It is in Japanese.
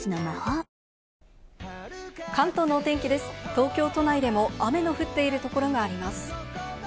東京都内でも雨の降っているところがあります。